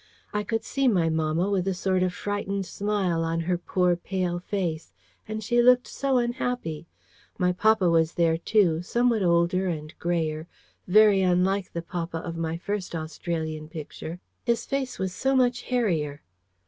I could see my mamma, with a sort of frightened smile on her poor pale face; and she looked so unhappy. My papa was there too, somewhat older and greyer very unlike the papa of my first Australian picture. His face was so much hairier.